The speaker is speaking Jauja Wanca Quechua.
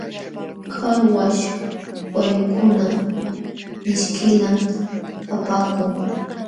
Qalwaśh wayukuna mishkillam kapaakun.